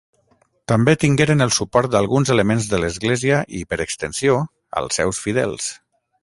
També tingueren el suport d'alguns elements de l'Església i, per extensió, als seus fidels.